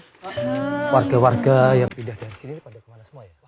hai warga warga yang pindah dari sini pada kemana semua ya